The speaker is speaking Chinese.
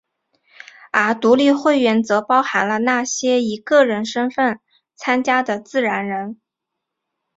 而独立会员则包含了那些以个人身份参加的自然人。